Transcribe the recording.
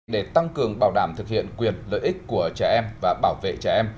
để tăng cường bảo đảm thực hiện quyền lợi ích của trẻ em và bảo vệ trẻ em